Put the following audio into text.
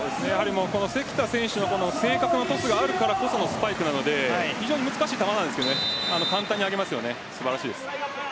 関田選手の正確なトスがあるからこそのスパイクなので非常に難しい球なんですけど簡単に上げますよね。